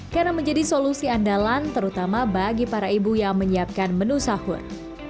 karena menjadi solusi andalan terutama bagi para ibu yang menyiapkan menu sahur